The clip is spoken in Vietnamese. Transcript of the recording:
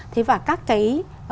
thế và các cái